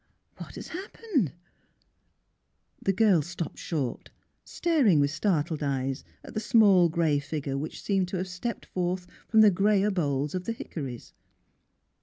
What has — happened? " The girl stopped short, staring with startled eyes at the small grey figure which seemed to APRILING 21 have stepped forth from the greyer boles of the hickories.